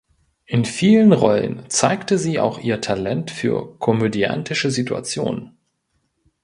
In vielen Rollen zeigte sie auch ihr „Talent für komödiantische Situationen“.